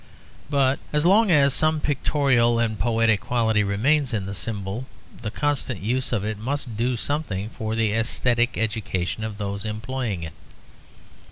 But as long as some pictorial and poetic quality remains in the symbol, the constant use of it must do something for the aesthetic education of those employing it.